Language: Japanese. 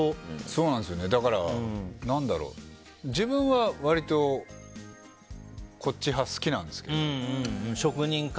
だから、自分は割とこっち派、好きなんですけど。